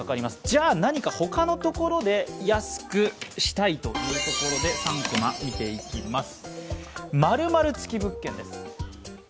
じゃ何か他のところで安くしたいというところで「３コマ」を見ていきます。